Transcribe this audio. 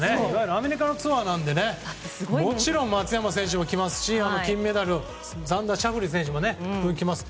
アメリカのツアーなのでもちろん松山選手もきますし金メダルのザンダー・シャフリー選手も来ます。